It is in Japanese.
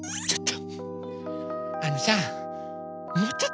ちょっと！